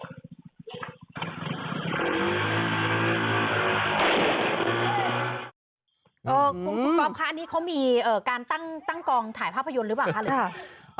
อ่อคุณพี่กรอปคะอันนี้เค้ามีการตั้งกองถ่ายภาพยนตร์หรือเปล่า